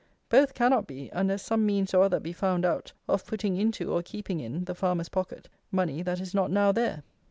Both cannot be, unless some means or other be found out of putting into, or keeping in, the farmer's pocket, money that is not now there.